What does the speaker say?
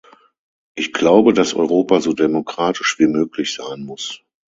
Ich glaube, dass Europa so demokratisch wie möglich sein muss.